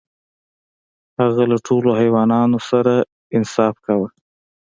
هغه له ټولو حیواناتو سره انصاف کاوه.